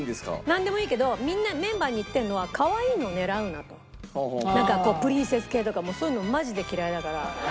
なんでもいいけどメンバーに言ってるのはなんかプリンセス系とかもうそういうのマジで嫌いだから。